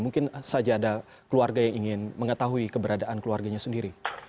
mungkin saja ada keluarga yang ingin mengetahui keberadaan keluarganya sendiri